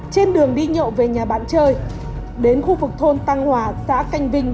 trên đường đi nhậu về nhà bạn chơi đến khu vực thôn tăng hòa xã canh vinh